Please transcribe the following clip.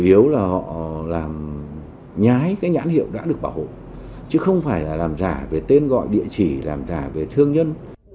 chủ yếu là họ làm nhái cái nhãn hiệu đã được bảo hộ chứ không phải là làm giả về tên gọi địa chỉ làm giả về thương nhân